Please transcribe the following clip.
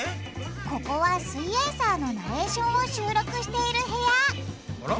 ここは「すイエんサー」のナレーションを収録している部屋あら？